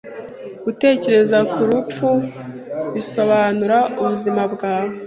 Gutekereza ku rupfu bisobanura ubuzima bwawe.